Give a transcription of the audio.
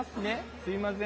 すいません。